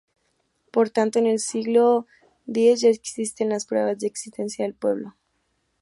Por tanto, en el siglo X ya existen pruebas de la existencia del pueblo.